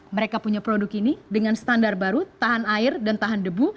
mereka punya produk ini dengan standar baru tahan air dan tahan debu